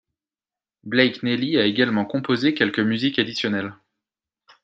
Blake Neely a également composé quelques musiques additionnelles.